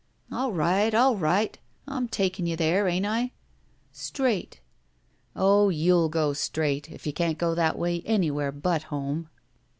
'All right, all right! I'm taking you there, ain't I?" Straight." Oh, you'll go straight, if you can't go that way anywhere but home."